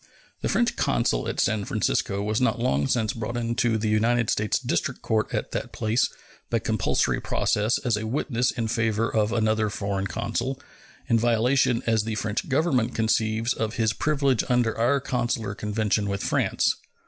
The French consul at San Francisco was not long since brought into the United States district court at that place by compulsory process as a witness in favor of another foreign consul, in violation, as the French Government conceives, of his privileges under our consular convention with France.